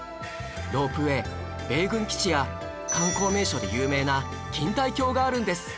ロープウェー米軍基地や観光名所で有名な錦帯橋があるんです